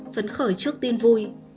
phấn khởi trước tin vui